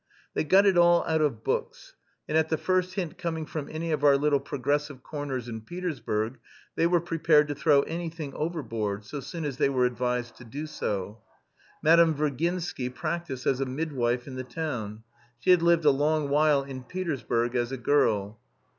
They got it all out of books, and at the first hint coming from any of our little progressive corners in Petersburg they were prepared to throw anything overboard, so soon as they were advised to do so. Madame Virginsky practised as a midwife in the town. She had lived a long while in Petersburg as a girl.